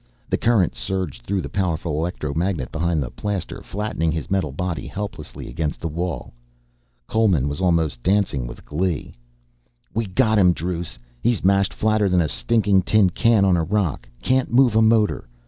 The current surged through the powerful electromagnet behind the plaster flattening his metal body helplessly against the wall. Coleman was almost dancing with glee. "We got him, Druce, he's mashed flatter than a stinking tin can on a rock, can't move a motor.